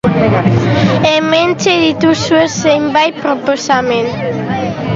Hementxe dituzue zenbait proposamen.